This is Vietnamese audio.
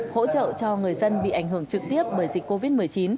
hỗ trợ cho người dân bị ảnh hưởng trực tiếp bởi dịch covid một mươi chín